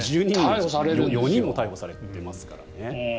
１２人中４人も逮捕されていますからね。